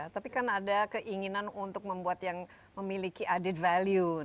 tapi kan ada keinginan untuk membuat yang memiliki added value